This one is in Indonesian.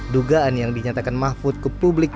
dugaan yang dinyatakan mahfud ke publik